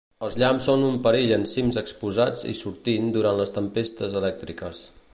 Els llamps són un perill en cims exposats i sortint durant les tempestes elèctriques.